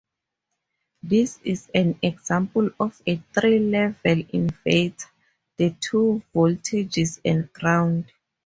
This is an example of a three level inverter: the two voltages and ground.